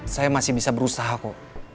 saya masih bisa berusaha kok